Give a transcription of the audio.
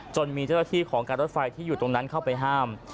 จนมีเจ้าหน้าที่ของการรถไฟที่อยู่ตรงนั้นเข้าไปห้าม